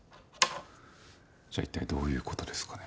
じゃあ一体どういう事ですかね？